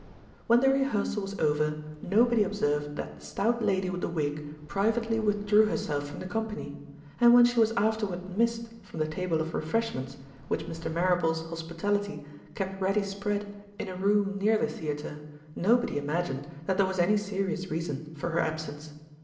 When the rehearsal was over, nobody observed that the stout lady with the wig privately withdrew herself from the company; and when she was afterward missed from the table of refreshments, which Mr. Marrable's hospitality kept ready spread in a room near the theater, nobody imagined that there was any serious reason for her absence.